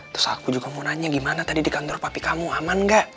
terus aku juga mau nanya gimana tadi di kantor papi kamu aman nggak